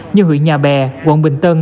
như hủy nhà bè quận bình tân